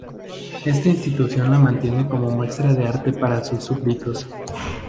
Esta institución la mantiene como muestra de arte para sus súbditos.